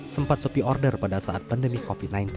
sempat sepi order pada saat pandemi covid sembilan belas